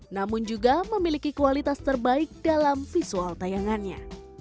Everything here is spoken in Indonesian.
namun juga memiliki kualitas terbaik dalam visual tayangannya